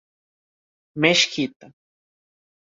Mesquita